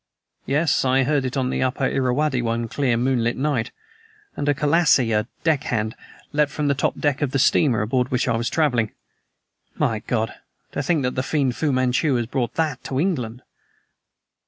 "Yes. I heard it on the Upper Irrawaddy one clear, moonlight night, and a Colassie a deck hand leaped from the top deck of the steamer aboard which I was traveling! My God! to think that the fiend Fu Manchu has brought That to England!"